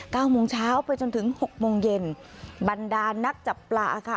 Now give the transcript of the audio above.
เก้าโมงเช้าไปจนถึงหกโมงเย็นบรรดานักจับปลาค่ะ